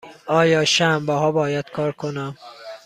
آیا شنبه ها باید کار کنم؟